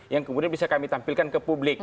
yang kemudian bisa kami tampilkan ke publik